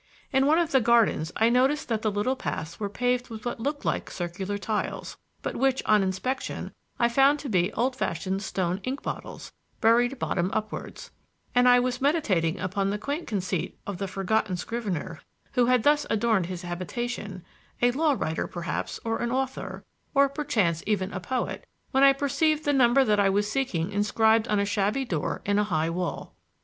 In one of the gardens I noticed that the little paths were paved with what looked like circular tiles, but which, on inspection, I found to be old fashioned stone ink bottles, buried bottom upwards; and I was meditating upon the quaint conceit of the forgotten scrivener who had thus adorned his habitation a law writer perhaps or an author, or perchance even a poet when I perceived the number that I was seeking inscribed on a shabby door in a high wall.